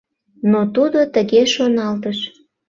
Но тудо тыге шоналтыш: